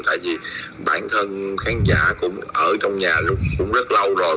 tại vì bản thân khán giả cũng ở trong nhà lúc cũng rất lâu rồi